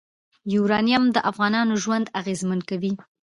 یورانیم د افغانانو ژوند اغېزمن کوي.